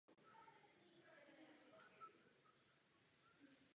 Po založení státu vstoupil do Liberální strany.